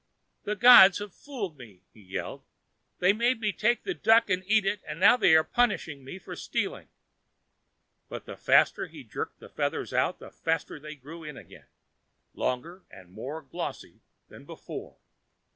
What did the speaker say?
"The gods have fooled me!" he yelled. "They made me take the duck and eat it, and now they are punishing me for stealing." But the faster he jerked the feathers out, the faster they grew in again, longer and more glossy than before.